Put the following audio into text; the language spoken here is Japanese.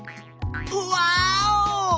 ワーオ！